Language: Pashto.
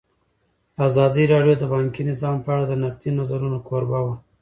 ازادي راډیو د بانکي نظام په اړه د نقدي نظرونو کوربه وه.